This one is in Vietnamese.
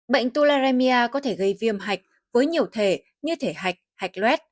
bệnh tularemia có thể gây viêm hạch với nhiều thể như thể hạch hạch luet